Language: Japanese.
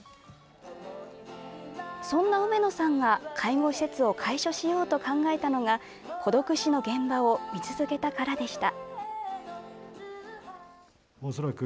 そんな上野さんが、介護施設を開所しようと考えたのが孤独死の現場を見続けたからでした。